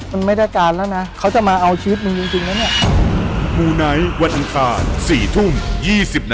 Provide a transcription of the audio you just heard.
มันไม่ได้การแล้วนะเขาจะมาเอาชีวิตมันจริงแล้วเนี่ย